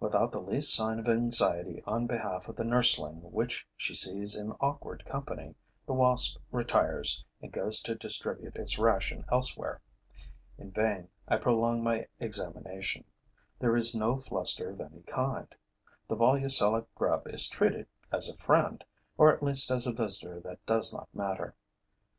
Without the least sign of anxiety on behalf of the nursling which she sees in awkward company, the wasp retires and goes to distribute its ration elsewhere. In vain I prolong my examination: there is no fluster of any kind. The Volucella grub is treated as a friend, or at least as a visitor that does not matter.